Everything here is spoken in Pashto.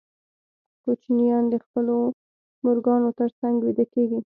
کوچنیان د خپلو مورګانو تر څنګ ویده کېږي.